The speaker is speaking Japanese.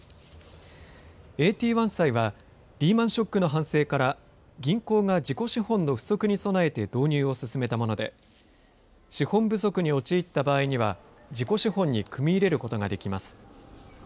ＡＴ１債はリーマンショックの反省から銀行が自己資本の不足に備えて導入を進めたもので資本不足に陥った場合には自己資本に組み入れることができます。